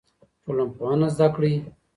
ټولنپوهنه زده کړئ.